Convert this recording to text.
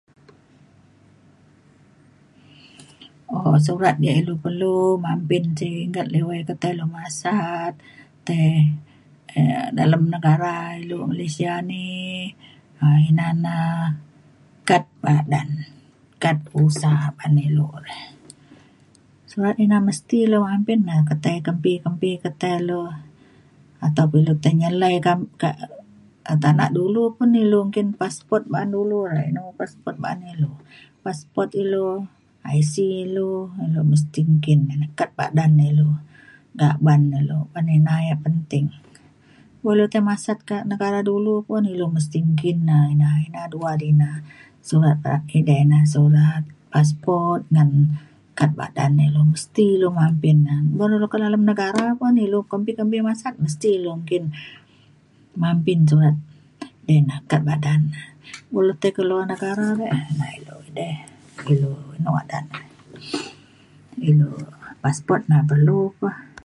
um surat ia' ilu perlu mampin ciget liwai ke tai ilu masat tai um dalem negara ilu Malaysia ni um ina na kad badan kad usa ban ilu re. surat ina mesti ilu mampin na ketai kempi kempi ketai ilu ataupun ilu tai nyelai ka- ka tana dulu pun ilu nggin passport bah dulu rai inu passport baan ilu. passport ilu I.C ilu ilu mesti nggin neket badan ulu gaban ilu uban ina ia' penting. bo ilu tai masat ka negara dulu pun ilu mesti nggin ina dua ina surat ida ina surat passport ngan kad badan ilu mesti ilu mampin na. bo ulu dalem negara pun ilu kempi kempi masat mesti ilu nggin mampin surat da ina kad badan na. bo lu tai ka luar negara re' na ina ilu e dei ilu inu ngadan rei ilu passport na perlu pah